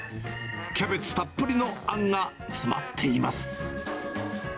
キャベツたっぷりのあんが詰まっています。